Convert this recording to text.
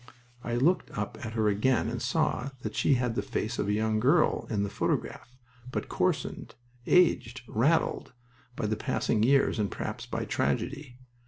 I looked up at her again and saw that she had the face of the young girl in the photograph, but coarsened, aged, raddled, by the passing years and perhaps by tragedy.